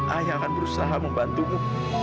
ayah akan berusaha membantumu